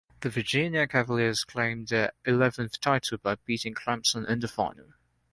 The Virginia Cavaliers claimed their eleventh title by beating Clemson in the final.